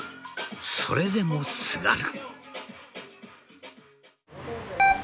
それでもすがる。